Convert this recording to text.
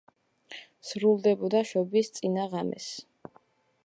სრულდებოდა შობის წინა ღამეს.